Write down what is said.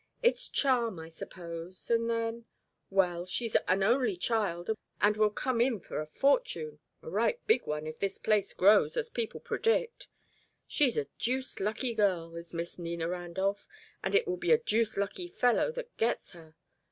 It's charm, I suppose, and then well, she's an only child and will come in for a fortune a right big one if this place grows as people predict. She's a deuced lucky girl, is Miss Nina Randolph, and it will be a deuced lucky fellow that gets her.